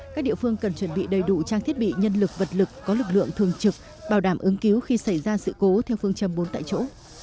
các địa phương cần chuẩn bị đầy đủ trang thiết bị nhân lực vật lực có lực lượng thường trực bảo đảm ứng cứu khi xảy ra sự cố theo phương châm bốn tại chỗ